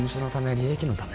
利益のため？